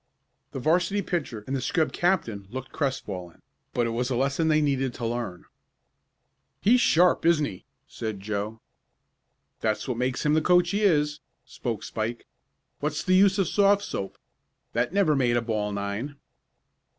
The 'varsity pitcher and the scrub captain looked crestfallen, but it was a lesson they needed to learn. "He's sharp, isn't he?" said Joe. "That's what makes him the coach he is," spoke Spike. "What's the use of soft soap? That never made a ball nine."